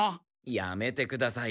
やめてください。